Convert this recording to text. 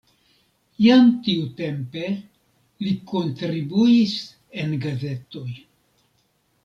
Jam tiutempe li kontribuis en gazetoj.